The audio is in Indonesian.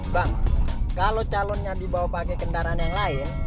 bang kalo calonnya dibawa pake kendaraan yang lain